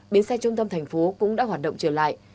bến xe trung tâm thành phố cũng đã hoạt động trở lại